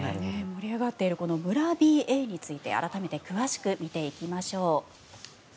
盛り上がっている村ＢＡについて改めて詳しく見ていきましょう。